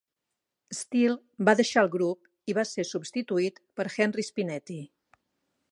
Steele va deixar el grup i va ser substituït per Henry Spinetti.